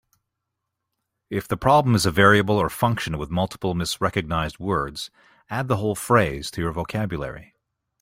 If the problem is a variable or function with multiple misrecognized words, add the whole phrase to your vocabulary.